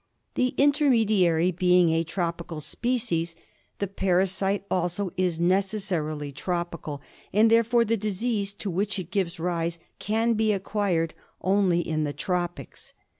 The intermediary being a tropical species, the parasite also is necessarily tropical ; and therefore the disease to which it gives rise can be acquired only in the tropics.